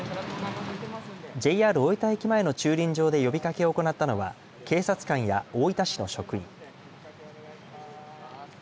ＪＲ大分駅前の駐輪場で呼びかけを行ったのは警察官や大分市の職員。